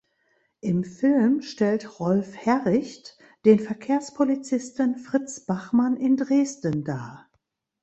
Im Film stellt Rolf Herricht den Verkehrspolizisten Fritz Bachmann in Dresden dar.